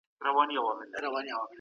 ناشناس د دې پوښتني په ځواب کي چي آیا دا